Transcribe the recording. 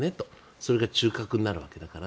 それが中核になるわけだから。